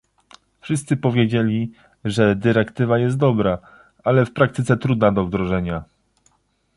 Wszyscy powiedzieli, że dyrektywa jest dobra, ale w praktyce trudna do wdrożenia